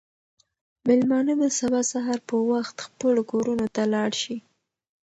مېلمانه به سبا سهار په وخت خپلو کورونو ته لاړ شي.